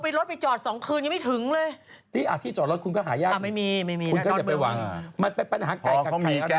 เวลาฉันกับสวนภูมิมาบ้านถ้าน้องภัลสี่